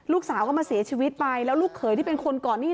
ลูกสาวก็มาเสียชีวิตไปแล้วลูกเขยที่เป็นคนก่อนหนี้